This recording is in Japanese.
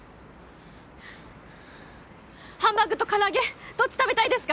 ハンバーグと唐揚げどっち食べたいですか？